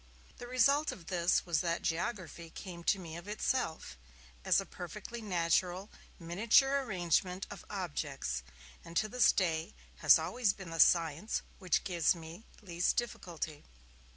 The result of this was that geography came to me of itself, as a perfectly natural miniature arrangement of objects, and to this day has always been the science which gives me least difficulty.